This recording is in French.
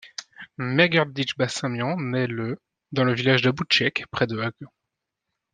Meguerditch Barsamian naît le dans le village d’Aboutchekh, près d'Agn.